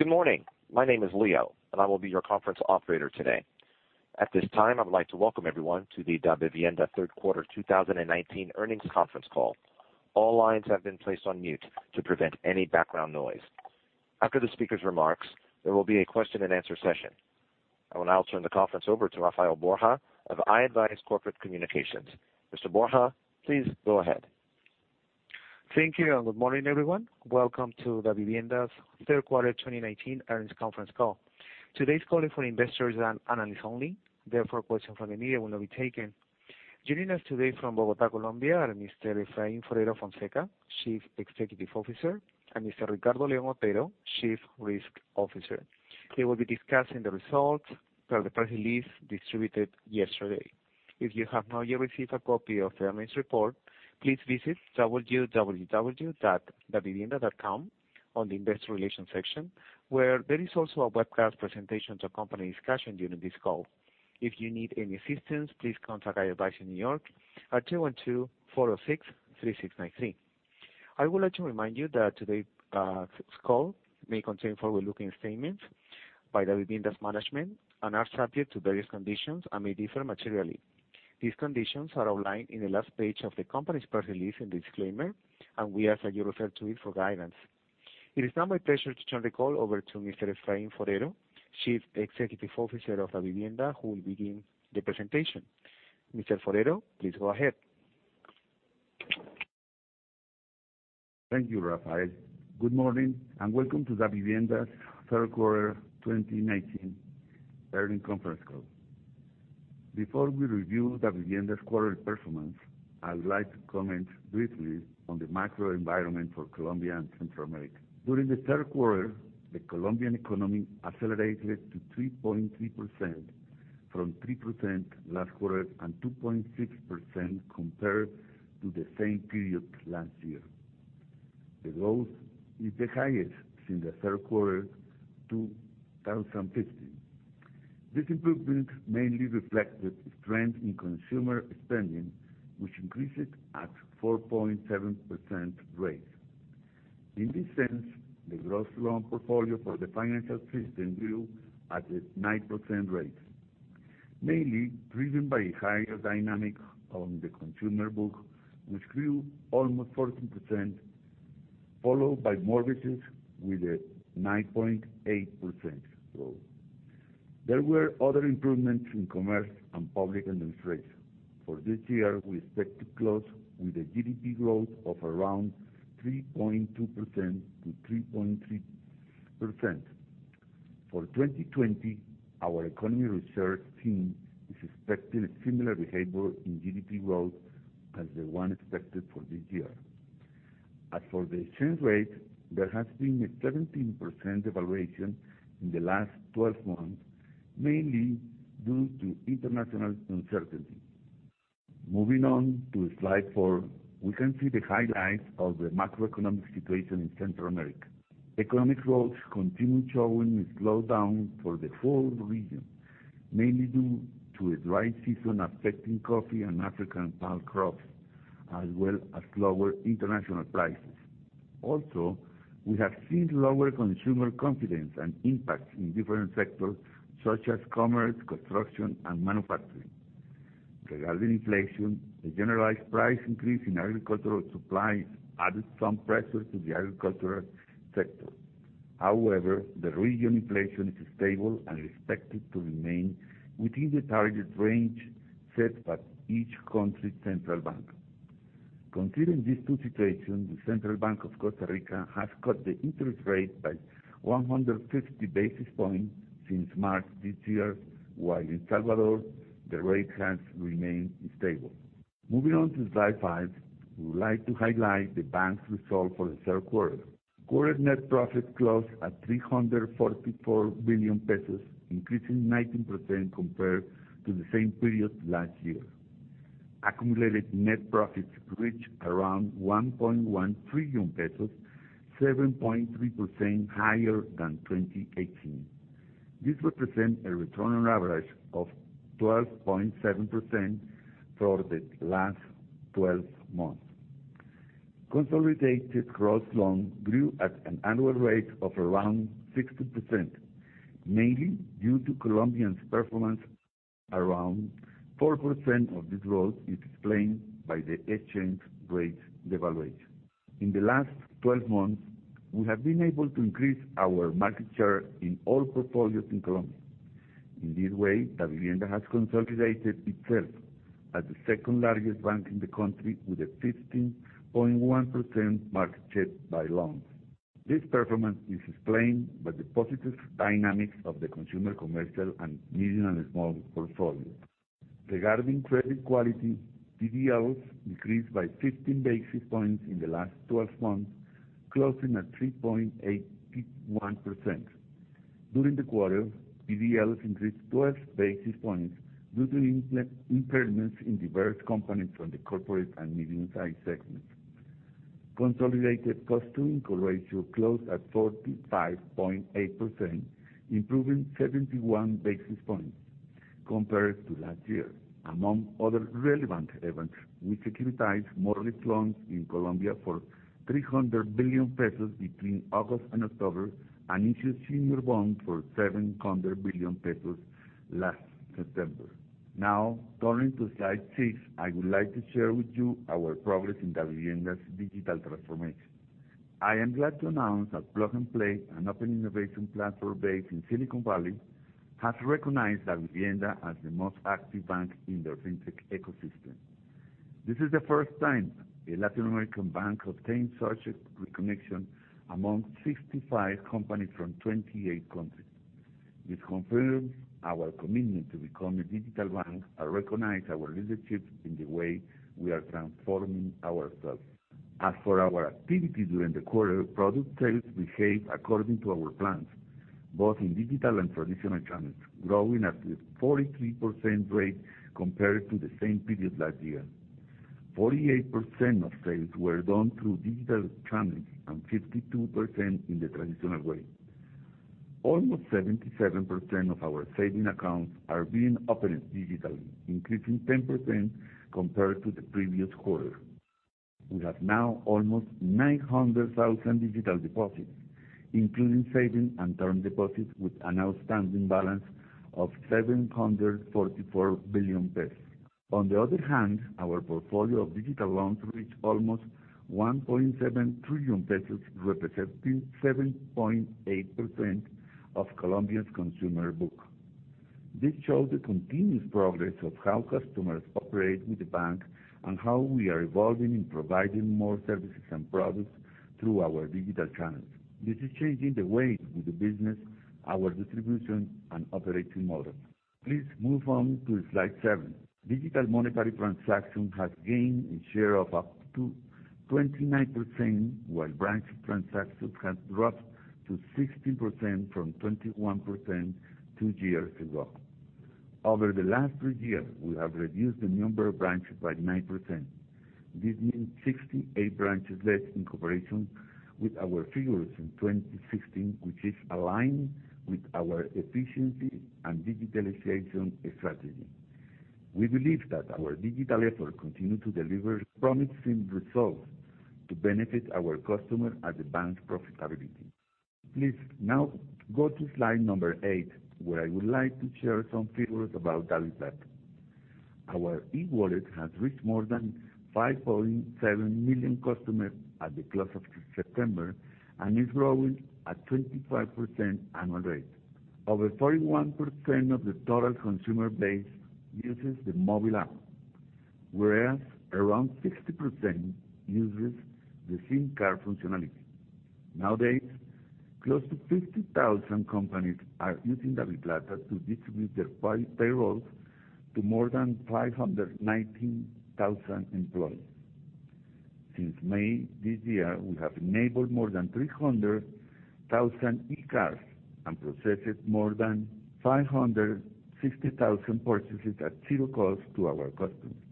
Good morning. My name is Leo, and I will be your conference operator today. At this time, I would like to welcome everyone to the Davivienda Third Quarter 2019 earnings conference call. All lines have been placed on mute to prevent any background noise. After the speaker's remarks, there will be a question and answer session. I will now turn the conference over to Rafael Borja of i-advize Corporate Communications. Mr. Borja, please go ahead. Thank you. Good morning, everyone. Welcome to Davivienda's Third Quarter 2019 earnings conference call. Today's call is for investors and analysts only, therefore questions from the media will not be taken. Joining us today from Bogotá, Colombia are Mr. Efraín Forero Fonseca, Chief Executive Officer, and Mr. Ricardo León Otero, Chief Risk Officer. They will be discussing the results per the press release distributed yesterday. If you have not yet received a copy of the earnings report, please visit www.davivienda.com on the investor relations section, where there is also a webcast presentation to accompany discussion during this call. If you need any assistance, please contact i-advize in New York at (312) 406-3693. I would like to remind you that today's call may contain forward-looking statements by Davivienda's management and are subject to various conditions and may differ materially. These conditions are outlined on the last page of the company's press release in disclaimer, and we ask that you refer to it for guidance. It is now my pleasure to turn the call over to Mr. Efraín Forero, Chief Executive Officer of Davivienda, who will begin the presentation. Mr. Forero, please go ahead. Thank you, Rafael. Good morning and welcome to Davivienda's Third Quarter 2019 earnings conference call. Before we review Davivienda's quarterly performance, I would like to comment briefly on the macro environment for Colombia and Central America. During the third quarter, the Colombian economy accelerated to 3.3% from 3% last quarter and 2.6% compared to the same period last year. The growth is the highest since the third quarter 2015. This improvement mainly reflected strength in consumer spending, which increased at 4.7% rate. In this sense, the gross loan portfolio for the financial system grew at a 9% rate, mainly driven by higher dynamic on the consumer book, which grew almost 14%, followed by mortgages with a 9.8% growth. There were other improvements in commerce and public administration. For this year, we expect to close with a GDP growth of around 3.2%-3.3%. For 2020, our economy research team is expecting similar behavior in GDP growth as the one expected for this year. For the exchange rate, there has been a 17% devaluation in the last 12 months, mainly due to international uncertainty. Moving on to slide four, we can see the highlights of the macroeconomic situation in Central America. Economic growth continued showing a slowdown for the whole region, mainly due to a dry season affecting coffee and African palm crops, as well as lower international prices. We have seen lower consumer confidence and impact in different sectors such as commerce, construction, and manufacturing. Regarding inflation, the generalized price increase in agricultural supplies added some pressure to the agricultural sector. The region inflation is stable and expected to remain within the target range set by each country's central bank. Considering these two situations, the Central Bank of Costa Rica has cut the interest rate by 150 basis points since March this year, while in El Salvador, the rate has remained stable. Moving on to slide five, we would like to highlight the bank's results for the third quarter. Quarter net profit closed at COP 344 billion, increasing 19% compared to the same period last year. Accumulated net profits reached around COP 1.1 trillion, 7.3% higher than 2018. This represents a return on average of 12.7% for the last 12 months. Consolidated gross loans grew at an annual rate of around 16%, mainly due to Colombia's performance around 4% of this growth is explained by the exchange rate devaluation. In the last 12 months, we have been able to increase our market share in all portfolios in Colombia. In this way, Davivienda has consolidated itself as the second largest bank in the country with a 15.1% market share by loans. This performance is explained by the positive dynamics of the consumer, commercial, and medium and small portfolios. Regarding credit quality, PDLs decreased by 15 basis points in the last 12 months, closing at 3.81%. During the quarter, PDLs increased 12 basis points due to impairments in diverse companies from the corporate and medium-sized segments. Consolidated cost to income ratio closed at 45.8%, improving 71 basis points. Compared to last year, among other relevant events, we securitized mortgage loans in Colombia for COP 300 billion between August and October, and issued senior bonds for COP 700 billion last September. Now, turning to slide six, I would like to share with you our progress in Davivienda's digital transformation. I am glad to announce that Plug and Play, an open innovation platform based in Silicon Valley, has recognized Davivienda as the most active bank in their fintech ecosystem. This is the first time a Latin American bank obtained such recognition among 65 companies from 28 countries. This confirms our commitment to become a digital bank and recognize our leadership in the way we are transforming ourselves. As for our activity during the quarter, product sales behaved according to our plans, both in digital and traditional channels, growing at a 43% rate compared to the same period last year. 48% of sales were done through digital channels and 52% in the traditional way. Almost 77% of our saving accounts are being opened digitally, increasing 10% compared to the previous quarter. We have now almost 900,000 digital deposits, including savings and term deposits, with an outstanding balance of COP 744 billion. On the other hand, our portfolio of digital loans reached almost COP 1.7 trillion, representing 7.8% of Colombia's consumer book. This shows the continuous progress of how customers operate with the bank and how we are evolving in providing more services and products through our digital channels. This is changing the way we do business, our distribution, and operating model. Please move on to slide seven. Digital monetary transactions have gained a share of up to 29%, while branch transactions have dropped to 16% from 21% two years ago. Over the last three years, we have reduced the number of branches by 9%. This means 68 branches less in comparison with our figures in 2016, which is aligned with our efficiency and digitalization strategy. We believe that our digital efforts continue to deliver promising results to benefit our customers and the bank's profitability. Please now go to slide number eight, where I would like to share some figures about DaviPlata. Our e-wallet has reached more than 5.7 million customers at the close of September and is growing at a 25% annual rate. Over 41% of the total consumer base uses the mobile app, whereas around 16% uses the SIM card functionality. Nowadays, close to 50,000 companies are using DaviPlata to distribute their payrolls to more than 519,000 employees. Since May this year, we have enabled more than 300,000 e-cards and processed more than 560,000 purchases at zero cost to our customers.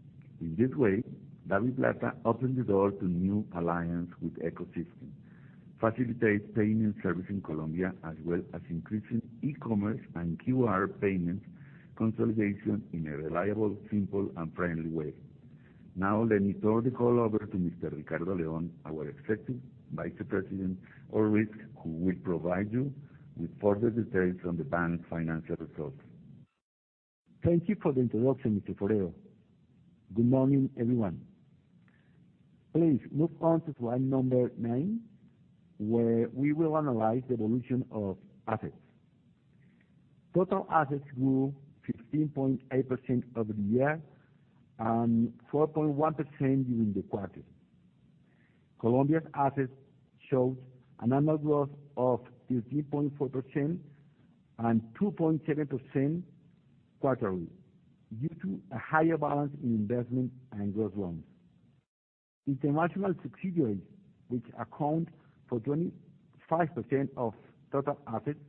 In this way, DaviPlata opens the door to new alliances with ecosystems, facilitates payment services in Colombia, as well as increasing e-commerce and QR payment consolidation in a reliable, simple, and friendly way. Now let me turn the call over to Mr. Ricardo León, our Executive Vice President of Risk, who will provide you with further details on the bank's financial results. Thank you for the introduction, Mr. Forero. Good morning, everyone. Please move on to slide number nine, where we will analyze the evolution of assets. Total assets grew 15.8% over the year and 4.1% during the quarter. Colombia's assets showed an annual growth of 15.4% and 2.7% quarterly due to a higher balance in investment and gross loans. International subsidiaries, which account for 25% of total assets,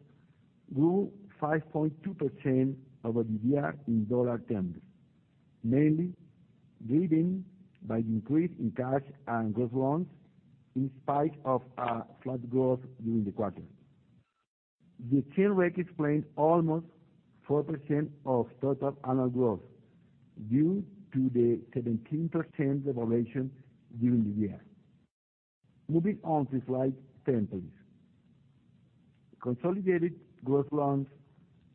grew 5.2% over the year in dollar terms, mainly driven by the increase in cash and gross loans in spite of a flat growth during the quarter. The exchange rate explains almost 4% of total annual growth due to the 17% devaluation during the year. Moving on to slide 10, please. Consolidated gross loans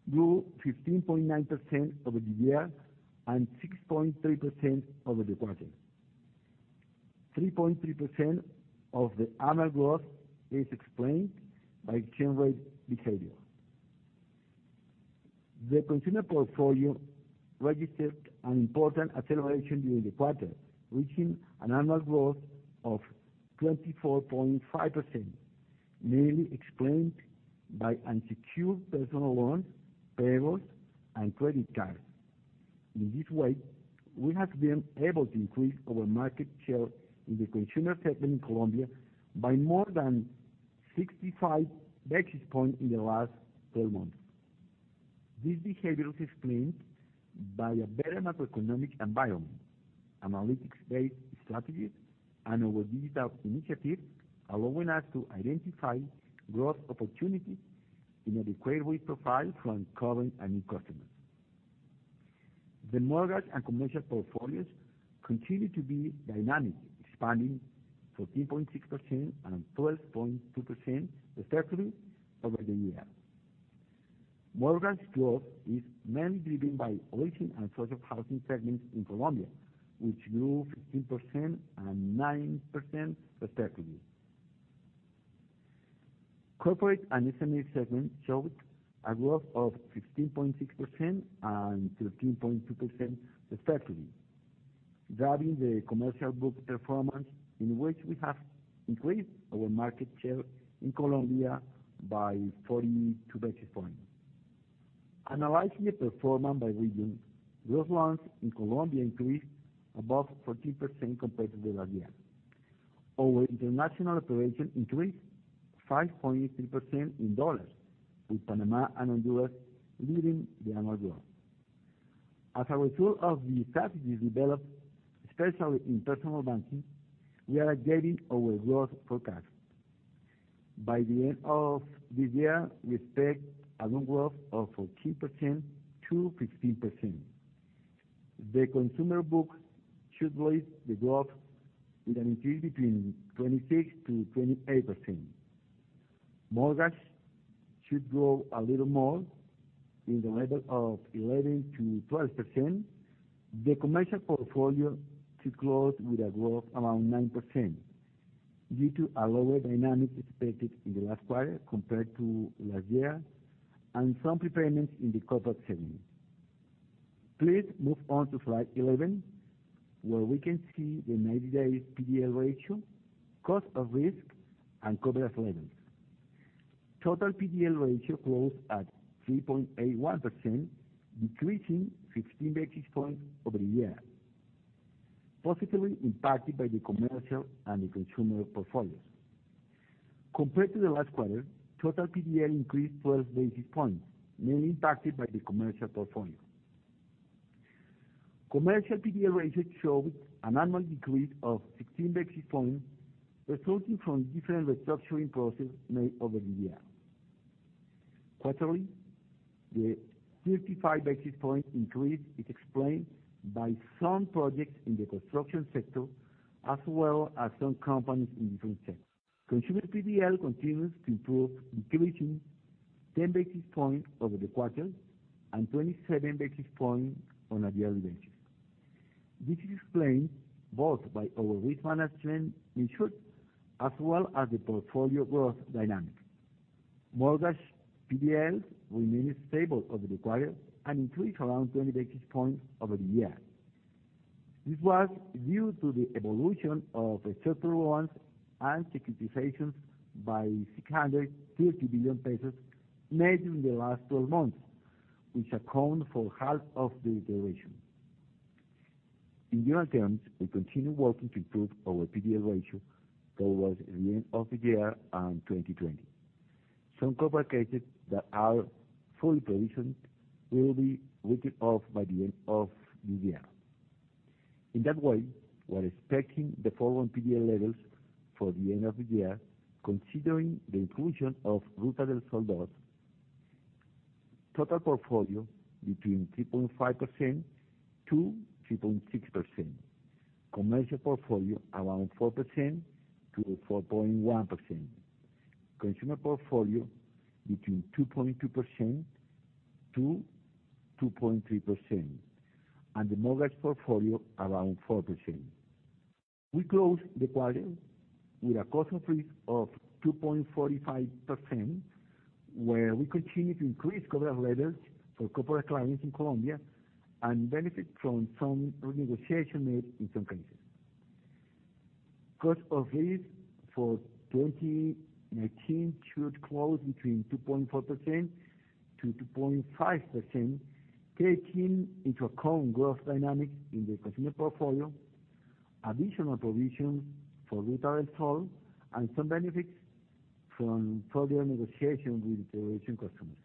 grew 15.9% over the year and 6.3% over the quarter. 3.3% of the annual growth is explained by exchange rate behavior. The consumer portfolio registered an important acceleration during the quarter, reaching an annual growth of 24.5%, mainly explained by unsecured personal loans, payrolls, and credit cards. In this way, we have been able to increase our market share in the consumer segment in Colombia by more than 65 basis points in the last 12 months. This behavior is explained by a better macroeconomic environment, analytics-based strategies and our digital initiatives allowing us to identify growth opportunities in a decreased risk profile from current and new customers. The mortgage and commercial portfolios continue to be dynamic, expanding 14.6% and 12.2% respectively over the year. Mortgage growth is mainly driven by origin and social housing segments in Colombia, which grew 15% and 9% respectively. Corporate and SME segment showed a growth of 15.6% and 13.2% respectively, driving the commercial book performance, in which we have increased our market share in Colombia by 42 basis points. Analyzing the performance by region, those loans in Colombia increased above 14% compared to last year. Our international operation increased 5.3% in USD, with Panama and the U.S. leading the annual growth. As a result of the strategies developed, especially in personal banking, we are updating our growth forecast. By the end of this year, we expect a loan growth of 14%-15%. The consumer book should lead the growth with an increase between 26%-28%. Mortgages should grow a little more in the level of 11%-12%. The commercial portfolio should close with a growth around 9% due to a lower dynamic expected in the last quarter compared to last year and some prepayments in the corporate segment. Please move on to slide 11, where we can see the 90-day PDL ratio, cost of risk, and coverage levels. Total PDL ratio closed at 3.81%, decreasing 16 basis points over the year, positively impacted by the commercial and the consumer portfolios. Compared to the last quarter, total PDL increased 12 basis points, mainly impacted by the commercial portfolio. Commercial PDL ratio showed an annual decrease of 16 basis points, resulting from different restructuring processes made over the year. Quarterly, the 55 basis point increase is explained by some projects in the construction sector, as well as some companies in different sectors. Consumer PDL continues to improve, increasing 10 basis points over the quarter and 27 basis points on a year-on-year basis. This is explained both by our risk management initiatives, as well as the portfolio growth dynamic. Mortgage PDLs remained stable over the quarter and increased around 20 basis points over the year. This was due to the evolution of structured loans and securitizations by COP 630 billion made in the last 12 months, which account for half of the deterioration. In dollar terms, we continue working to improve our PDL ratio towards the end of the year and 2020. Some corporate cases that are fully provisioned will be written off by the end of this year. In that way, we're expecting the forward PDL levels for the end of the year, considering the inclusion of Ruta del Sol's total portfolio between 3.5%-3.6%, commercial portfolio around 4%-4.1%, consumer portfolio between 2.2%-2.3%, and the mortgage portfolio around 4%. We closed the quarter with a cost of risk of 2.45%, where we continue to increase coverage levels for corporate clients in Colombia and benefit from some renegotiation made in some cases. Cost of risk for 2019 should close between 2.4%-2.5%, taking into account growth dynamics in the consumer portfolio, additional provisions for Ruta del Sol, and some benefits from further negotiation with deterioration customers.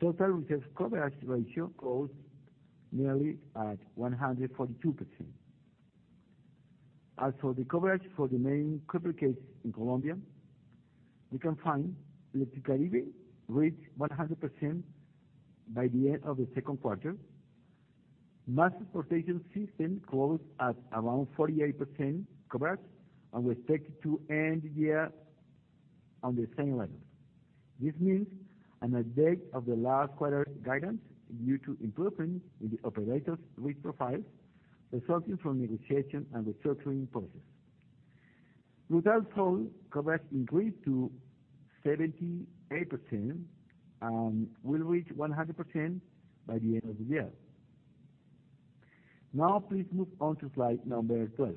Total reserves coverage ratio closed nearly at 142%. As for the coverage for the main corporate cases in Colombia, we can find Electricaribe reached 100% by the end of the second quarter. Mass Transportation System closed at around 48% coverage and we expect to end the year on the same level. This means an update of the last quarter guidance due to improvements in the operator's risk profile, resulting from negotiation and restructuring process. Ruta del Sol coverage increased to 78% and will reach 100% by the end of the year. Please move on to slide number 12.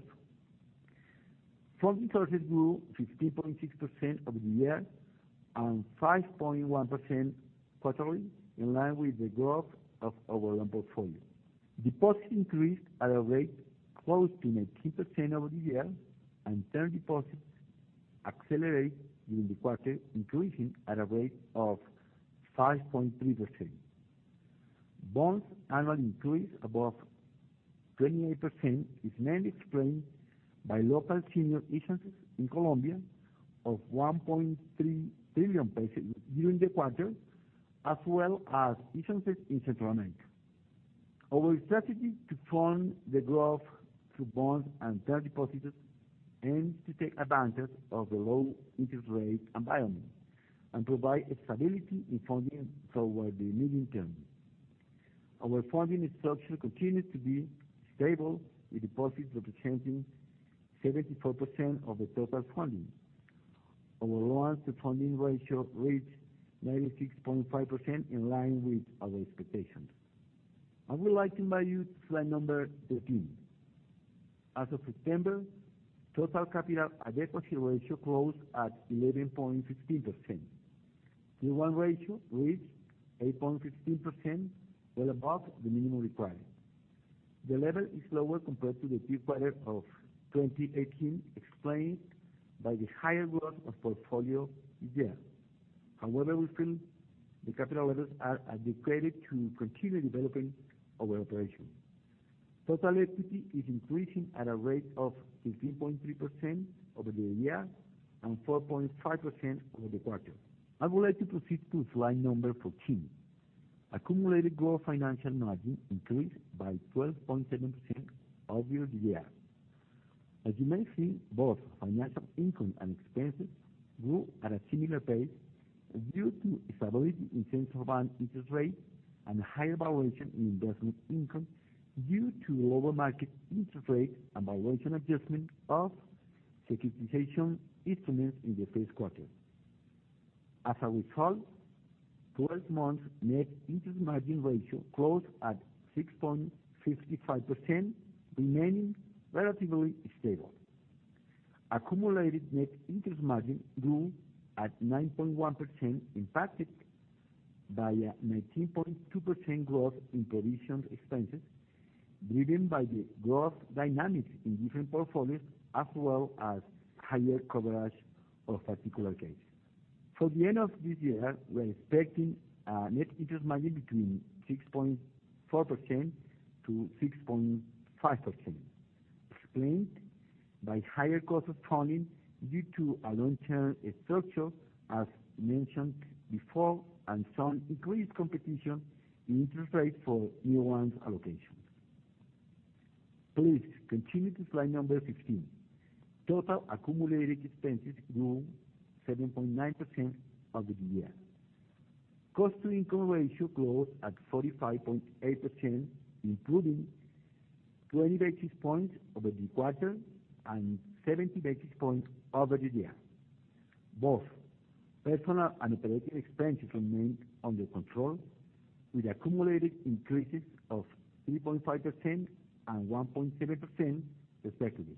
Funding sources grew 15.6% over the year and 5.1% quarterly, in line with the growth of our loan portfolio. Deposits increased at a rate close to 19% over the year, term deposits accelerated during the quarter, increasing at a rate of 5.3%. Bonds annual increase above 28% is mainly explained by local senior issuances in Colombia of COP 1.3 trillion during the quarter, as well as issuances in Central America. Our strategy to fund the growth through bonds and term deposits aims to take advantage of the low interest rate environment and provide stability in funding toward the medium term. Our funding structure continues to be stable, with deposits representing 74% of the total funding. Our loans to funding ratio reached 96.5%, in line with our expectations. I would like to invite you to slide number 13. As of September, total capital adequacy ratio closed at 11.16%. Tier 1 ratio reached 8.15%, well above the minimum requirement. The level is lower compared to the peak quarter of 2018, explained by the higher growth of portfolio year. However, we feel the capital levels are adequate to continue developing our operation. Total equity is increasing at a rate of 15.3% over the year and 4.5% over the quarter. I would like to proceed to slide number 14. Accumulated growth financial margin increased by 12.7% over the year. As you may see, both financial income and expenses grew at a similar pace due to stability in central bank interest rate and higher valuation in investment income due to lower market interest rate and valuation adjustment of securitization instruments in the first quarter. As a result, 12 months net interest margin ratio closed at 6.55%, remaining relatively stable. Accumulated net interest margin grew at 9.1%, impacted by a 19.2% growth in provision expenses, driven by the growth dynamics in different portfolios, as well as higher coverage of particular case. For the end of this year, we are expecting a net interest margin between 6.4%-6.5%, explained by higher cost of funding due to a long-term structure, as mentioned before, and some increased competition in interest rates for year one allocations. Please continue to slide number 15. Total accumulated expenses grew 7.9% over the year. Cost to income ratio closed at 45.8%, improving 20 basis points over the quarter and 70 basis points over the year. Both personal and operating expenses remained under control, with accumulated increases of 3.5% and 1.7% respectively.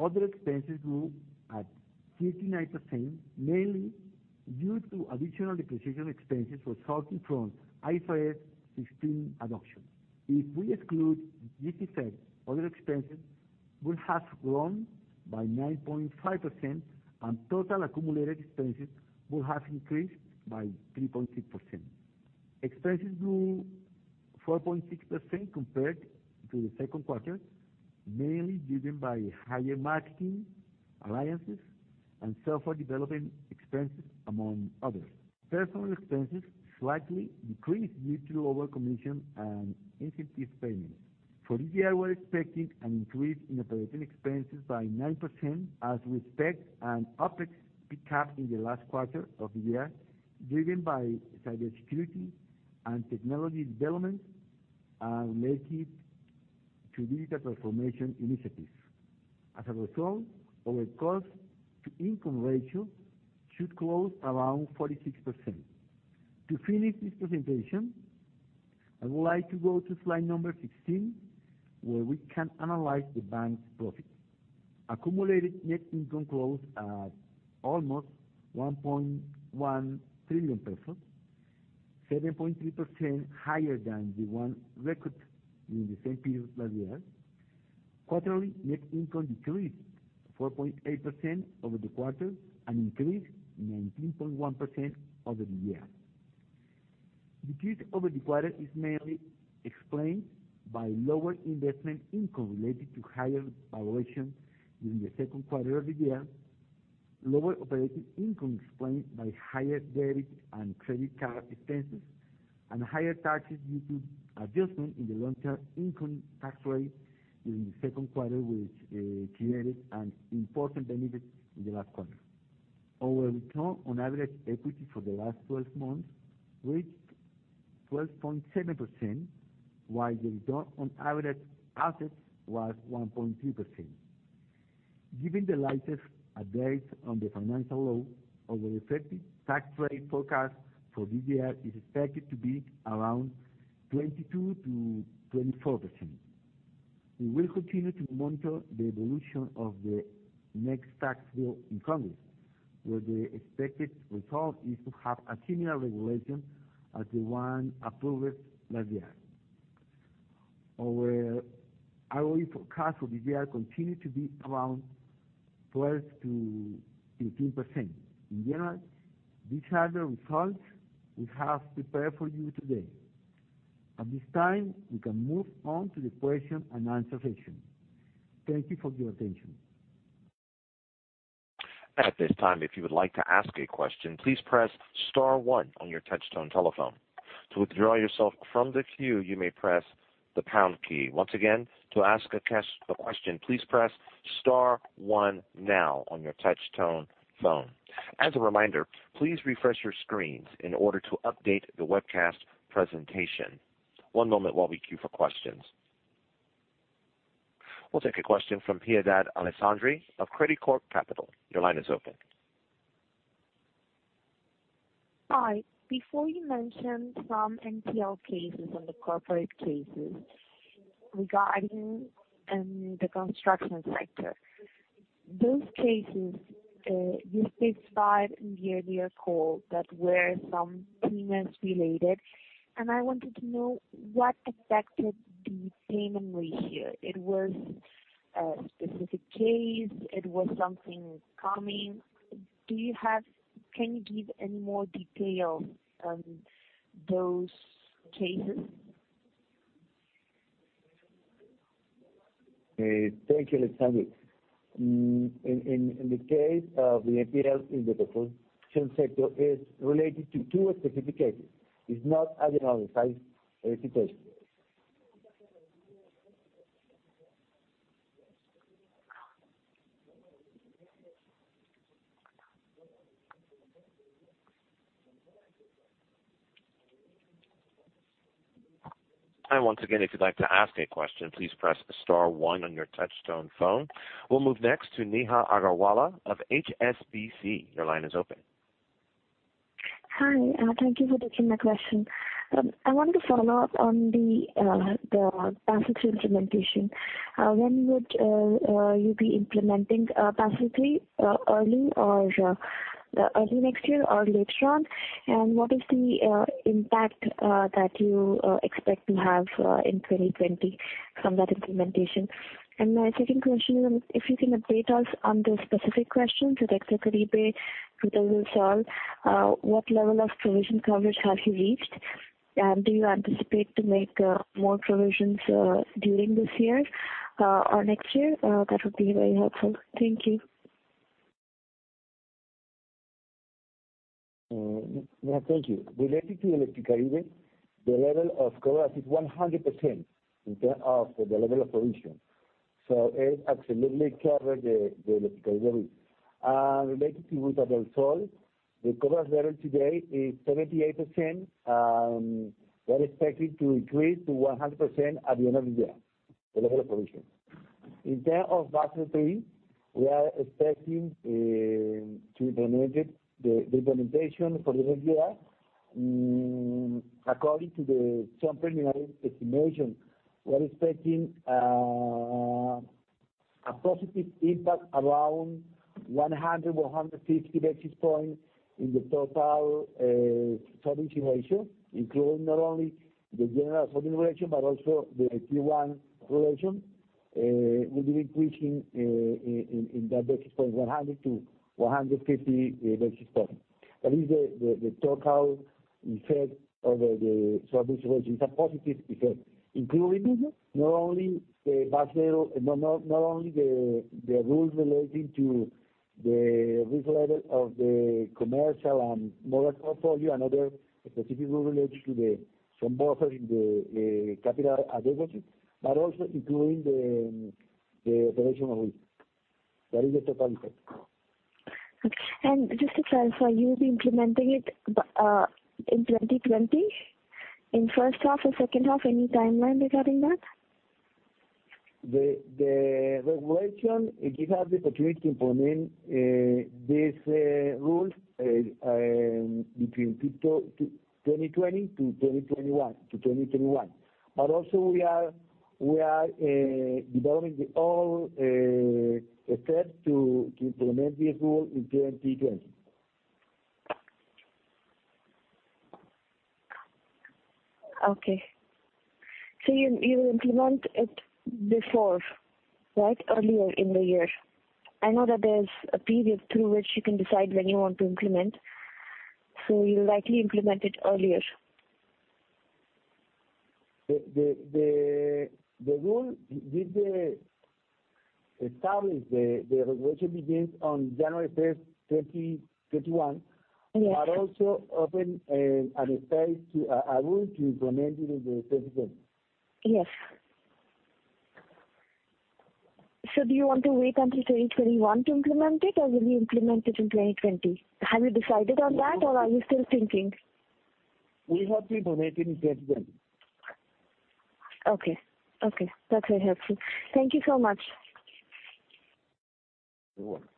Other expenses grew at 59%, mainly due to additional depreciation expenses resulting from IFRS 16 adoption. If we exclude this effect, other expenses would have grown by 9.5%, and total accumulated expenses would have increased by 3.6%. Expenses grew 4.6% compared to the second quarter, mainly driven by higher marketing alliances and software development expenses, among others. Personal expenses slightly decreased due to lower commission and incentive payments. For this year, we are expecting an increase in operating expenses by 9% as we expect an OpEx pickup in the last quarter of the year, driven by cybersecurity and technology development related to digital transformation initiatives. As a result, our cost to income ratio should close around 46%. To finish this presentation, I would like to go to slide number 16, where we can analyze the bank's profit. Accumulated net income closed at almost COP 1.1 trillion, 7.3% higher than the one recorded during the same period last year. Quarterly net income decreased 4.8% over the quarter and increased 19.1% over the year. Decrease over the quarter is mainly explained by lower investment income related to higher valuation during the second quarter of the year, lower operating income explained by higher debit and credit card expenses, and higher taxes due to adjustment in the long-term income tax rate during the second quarter, which created an important benefit in the last quarter. Our return on average equity for the last 12 months reached 12.7%, while the return on average assets was 1.2%. Given the latest updates on the financial law, our effective tax rate forecast for this year is expected to be around 22%-24%. We will continue to monitor the evolution of the next tax bill in Congress, where the expected result is to have a similar regulation as the one approved last year. Our ROE forecast for this year continued to be around 12%-18%. In general, these are the results we have prepared for you today. At this time, we can move on to the question and answer session. Thank you for your attention. At this time, if you would like to ask a question, please press star one on your touchtone telephone. To withdraw yourself from the queue, you may press the pound key. Once again, to ask a question, please press star one now on your touchtone phone. As a reminder, please refresh your screens in order to update the webcast presentation. One moment while we queue for questions. We'll take a question from Piedad Alessandri of Credicorp Capital. Your line is open. Hi. Before you mentioned some NPL cases on the corporate cases regarding the construction sector. Those cases, you specified in the earlier call that were some payments related, and I wanted to know what affected the payment ratio. It was a specific case? It was something coming? Can you give any more detail on those cases? Thank you, Alessandri. In the case of the NPL in the construction sector is related to two specific cases. It is not an oversized situation. Once again, if you'd like to ask a question, please press star one on your touchtone phone. We'll move next to Neha Agarwala of HSBC. Your line is open. Hi, thank you for taking my question. I wanted to follow up on the Basel III implementation. When would you be implementing Basel III, early next year or later on? What is the impact that you expect to have in 2020 from that implementation? My second question is, if you can update us on the specific questions with Electricaribe, Ruta del Sol, what level of provision coverage have you reached? Do you anticipate to make more provisions during this year or next year? That would be very helpful. Thank you. Neha, thank you. Related to Electricaribe, the level of coverage is 100% in terms of the level of provision. It absolutely covered the Electricaribe. Related to Ruta del Sol, the coverage level today is 78%, we are expecting to increase to 100% at the end of the year, the level of provision. In terms of Basel III, we are expecting to implement it for next year. According to some preliminary estimation, we are expecting a positive impact around 100, 150 basis points in the total solvency ratio, including not only the general solvency ratio but also the Tier 1 ratio, will be increasing in that basis point, 100-150 basis points. That is the total effect of the solvency ratio. It's a positive effect, including not only the rules relating to the risk level of the commercial and mobile portfolio, another specific rule related to some buffer in the capital adequacy, but also including the operational risk. That is the total effect. Just to clarify, you'll be implementing it in 2020, in first half or second half? Any timeline regarding that? The regulation gives us the opportunity to implement these rules between 2020 to 2021. Also we are developing all steps to implement this rule in 2020. Okay. You will implement it before, right? Earlier in the year. I know that there's a period through which you can decide when you want to implement, so you'll likely implement it earlier. The rule, it established the regulation begins on January first, 2021. Yes. Also open the space to a rule to implement it in 2020. Yes. Do you want to wait until 2021 to implement it, or will you implement it in 2020? Have you decided on that or are you still thinking? We hope to implement in 2020. Okay. That's very helpful. Thank you so much. You're welcome.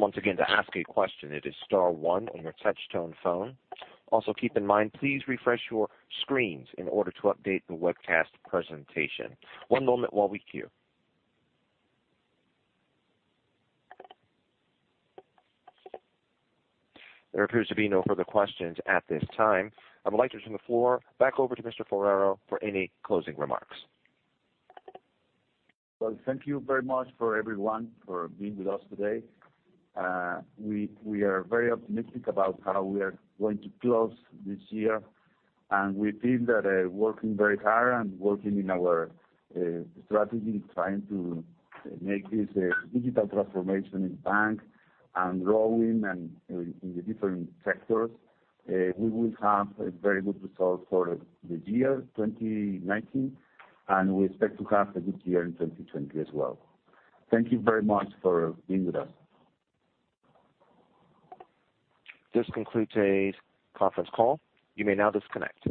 Once again, to ask a question, it is star one on your touchtone phone. Also, keep in mind, please refresh your screens in order to update the webcast presentation. One moment while we queue. There appears to be no further questions at this time. I would like to turn the floor back over to Mr. Forero for any closing remarks. Well, thank you very much for everyone for being with us today. We are very optimistic about how we are going to close this year, and we think that working very hard and working in our strategy, trying to make this digital transformation in bank and growing in the different sectors, we will have a very good result for the year 2019, and we expect to have a good year in 2020 as well. Thank you very much for being with us. This concludes today's conference call. You may now disconnect.